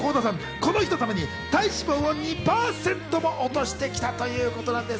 この日のために体脂肪を２％も落としてきたということなんです。